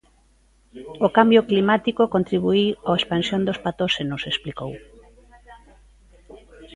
O cambio climático contribuíu á expansión dos patóxenos, explicou.